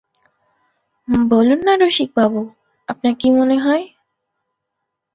বলুন-না রসিকবাবু, আপনার কী মনে হয়?